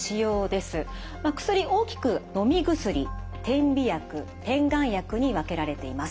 薬大きくのみ薬点鼻薬点眼薬に分けられています。